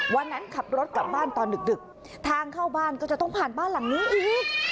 วันนั้นขับรถกลับบ้านตอนดึกทางเข้าบ้านก็จะต้องผ่านบ้านหลังนี้อีก